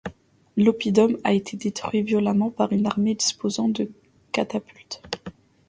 L'oppidum a été détruit violemment par une armée disposant de catapultes.